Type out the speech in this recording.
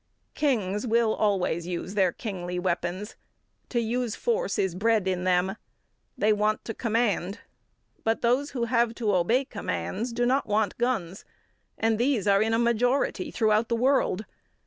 Kings will always use their kingly weapons. To use force is bred in them. They want to command, but those who have to obey commands, do not want guns; and these are in a majority throughout the world.